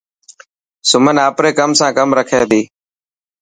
سمن آپري ڪم سان ڪم رکي ٿي.